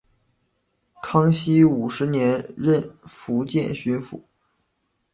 康熙五十年任福建巡抚。